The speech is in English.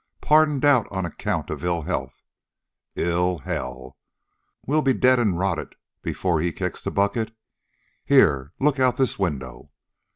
Pardoned out on account of ill health. Ill hell! We'll be dead an' rotten before he kicks the bucket. Here. Look out this window.